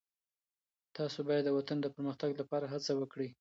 تاسو باید د وطن د پرمختګ لپاره هڅه وکړئ.